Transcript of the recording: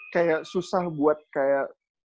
kayak susah buat kayak